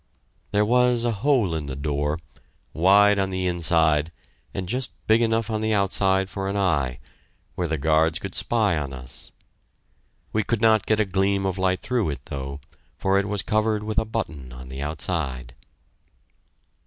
There was a hole in the door, wide on the inside and just big enough on the outside for an eye, where the guards could spy on us. We could not get a gleam of light through it, though, for it was covered with a button on the outside.